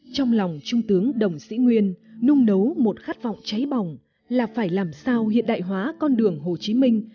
trong lòng trung tướng đồng sĩ nguyên nung nấu một khát vọng cháy bỏng là phải làm sao hiện đại hóa con đường hồ chí minh